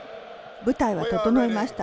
舞台は整いました。